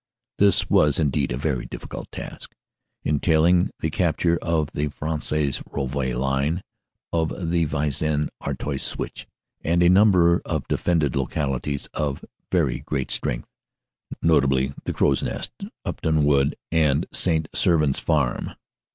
"This was indeed a very difficult task, entailing the capture of the Fresnes Rouvroy line, of the Vis en Artois Switch, and of a number of defended localities of very great strength, not ably the Crow s Nest, Upton Wood and St. Servin s Farm.